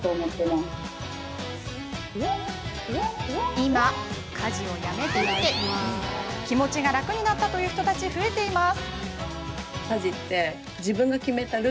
今、家事をやめてみて気持ちが楽になったという人たちが増えています。